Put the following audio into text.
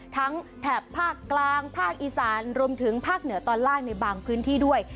แถบภาคกลางภาคอีสานรวมถึงภาคเหนือตอนล่างในบางพื้นที่ด้วย